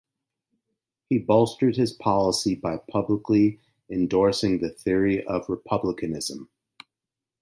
He bolstered his policy by publicly endorsing the theory of republicanism.